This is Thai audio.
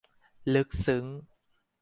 ลึกซึ้ง